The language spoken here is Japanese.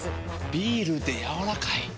ビールでやわらかい。